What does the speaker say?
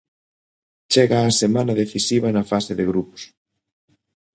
Chega a semana decisiva na fase de grupos.